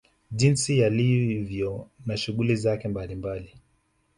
Jinsi yalivyo na shughuli zake mbali mbali